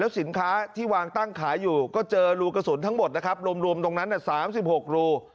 แล้วสินค้าที่วางตั้งขายอยู่ก็เจอรูกระสุนทั้งหมดนะครับรวมตรงตันตั้งสามสิบหกรู